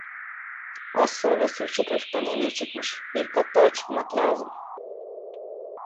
Az sonra sırça köşkten emir çıkmış: "Bir kat daha çıkmak lazım."